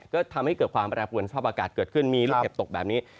ก็ทำให้เกิดความแปรปวนสภาพอากาศเกิดขึ้นมีลูกเห็บตกแบบนี้